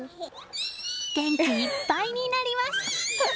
元気いっぱいになります。